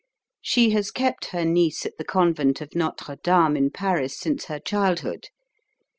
She has kept her niece at the con vent of Notre Dame in Paris, since her childhood.